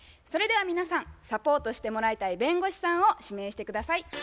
それでは皆さんサポートしてもらいたい弁護士さんを指名して下さい。